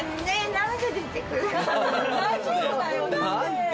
大丈夫だよ何で？